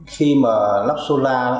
khi mà lắp solar